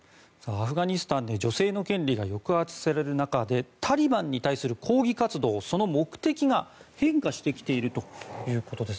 アフガニスタンで女性の権利が抑圧される中でタリバンに対する抗議活動の目的が変化してきているということです。